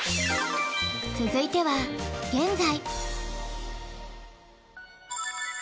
続いては現在。